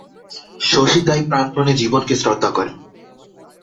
শশী তাই প্রাণপণে জীবনকে শ্রদ্ধা করে।